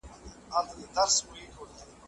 بدې خبرې مه ور زده کوئ.